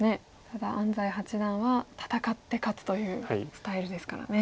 ただ安斎八段は戦って勝つというスタイルですからね。